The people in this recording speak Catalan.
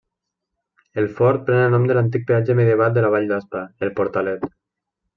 El fort pren el nom de l'antic peatge medieval de la vall d'Aspa, el Portalet.